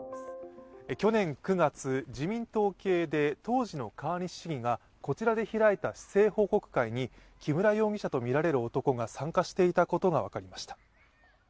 去年９月、自民党系で当時の川西議員がこちらで開いた市政報告会に木村容疑者とみられる男が参加していたことが分かりました。